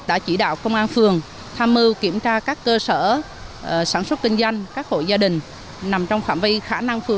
đã chỉ đạo công an phường tham mưu kiểm tra các cơ sở sản xuất kinh doanh các hội gia đình